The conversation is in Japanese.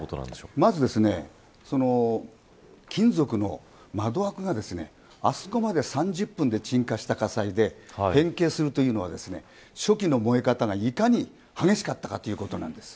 まず、金属の窓枠があそこまで３０分で鎮火した火災で変形するというのは初期の燃え方がいかに激しかったかということなんです。